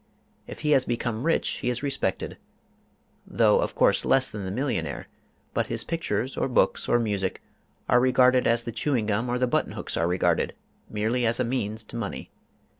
If he has become rich he is respected, though of course less than the millionaire, but his pictures or books or music are regarded as the chewing gum or the button hooks are regarded, merely as a means to money.